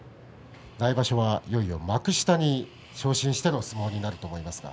来場所はいよいよ幕下に昇進しての相撲になります。